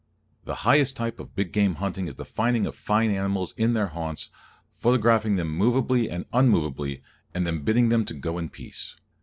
The highest type of big game hunting is the finding of fine animals in their haunts, photographing them movably and unmovably, and then bidding them go in peace.